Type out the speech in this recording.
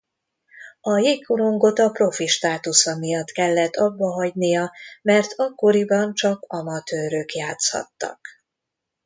A jégkorongot a profi státusza miatt kellett abbahagynia mert akkoriban csak amatőrök játszhattak.